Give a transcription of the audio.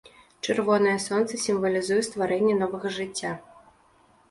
Чырвонае сонца сімвалізуе стварэнне новага жыцця.